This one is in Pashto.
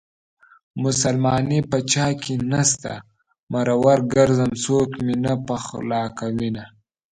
مسلماني په چاكې نشته مرور ګرځم څوك مې نه پخولاكوينه